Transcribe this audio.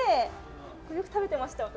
これ、よく食べてました、私。